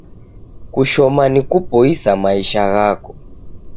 Kushoma ni kupoisa maisha ghako